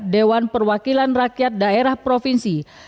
dewan perwakilan rakyat daerah provinsi dan dewan perwakilan